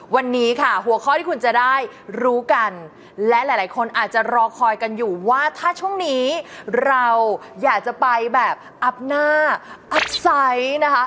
วันนี้ค่ะหัวข้อที่คุณจะได้รู้กันและหลายคนอาจจะรอคอยกันอยู่ว่าถ้าช่วงนี้เราอยากจะไปแบบอัพหน้าอัพไซต์นะคะ